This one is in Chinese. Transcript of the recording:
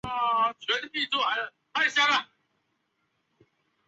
范正在其子年幼时已经身故。